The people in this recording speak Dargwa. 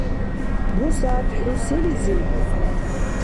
БусягӀят хӀу селизив узулри?